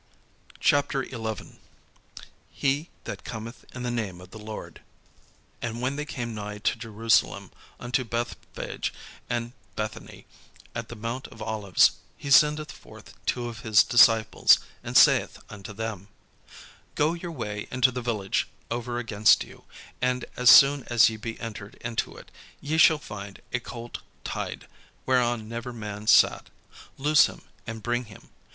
CHAPTER XI HE THAT COMETH IN THE NAME OF THE LORD And when they came nigh to Jerusalem, unto Bethphage and Bethany, at the mount of Olives, he sendeth forth two of his disciples, and saith unto them: "Go your way into the village over against you: and as soon as ye be entered into it, ye shall find a colt tied, whereon never man sat; loose him, and bring him.